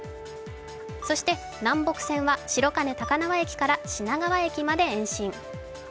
そして南北線は白金高輪駅から品川駅まで延伸。